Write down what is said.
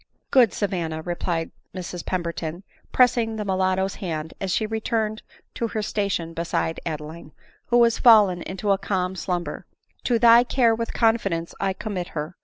" Good Savanna !" replied Mrs Pemberton, pressing the mulatto's hand as she returned to her station beside Adeline, who was Men into a calm slumber, "to thy ADELINE MOWBRAY. 19a care, with confidence, I commit her.